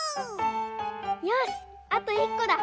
よしあといっこだ！